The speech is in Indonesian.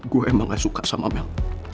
gue emang gak suka sama mel